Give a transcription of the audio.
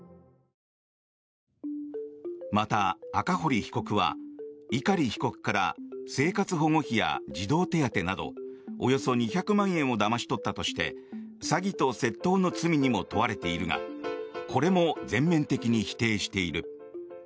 また、赤堀被告は碇被告から生活保護費や児童手当などおよそ２００万円をだまし取ったとして詐欺と窃盗の罪にも問われているがこれも全面的に否定している。